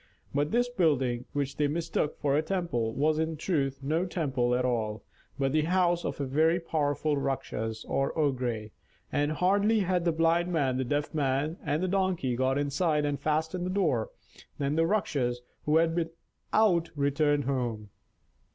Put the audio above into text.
But this building, which they mistook for a temple was in truth no temple at all, but the house of a very powerful Rakshas or ogre; and hardly had the Blind Man, the Deaf Man, and the Donkey got inside and fastened the door, than the Rakshas, who had been out, returned home.